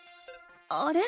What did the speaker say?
あれ？